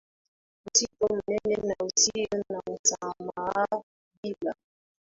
msitu mnene na usio na msamaha Bila